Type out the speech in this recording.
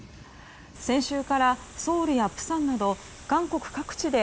先週からソウルや釜山など韓国各地で